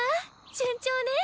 順調ね。